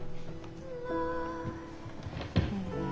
うん。